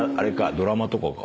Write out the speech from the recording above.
ドラマとかか。